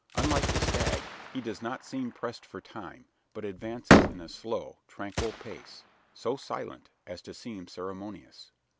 Unlike the stag, he does not seem pressed for time; but advances in a slow, tranquil pace: so silent as to seem ceremonious.